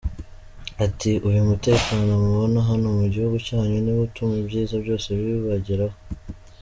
Ati “Uyu mutekano mubona hano mu gihugu cyanyu niwo utuma ibyiza byose bibageraho.